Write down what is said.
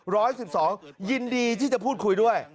ร้อยสิบสองยินดีที่จะพูดคุยด้วย